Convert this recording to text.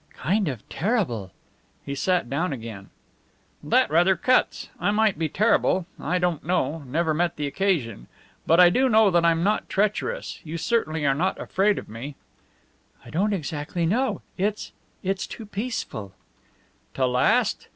"Kind of terrible." He sat down again. "That rather cuts. I might be terrible. I don't know never met the occasion; but I do know that I'm not treacherous. You certainly are not afraid of me." "I don't exactly know. It's it's too peaceful." "To last?